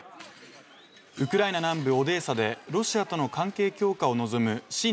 ウクライナ南部オデーサでロシアとの関係強化を望む親